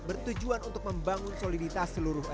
bertujuan untuk membangun soliditas seluruh elemen